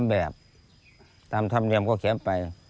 แบบตามธรรมเนียมก็เขียนไป